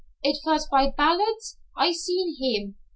"It vas by Ballards' I seen heem.